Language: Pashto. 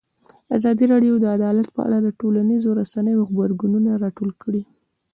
ازادي راډیو د عدالت په اړه د ټولنیزو رسنیو غبرګونونه راټول کړي.